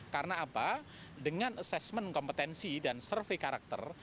karena apa dengan asesmen kompetensi dan survei karakter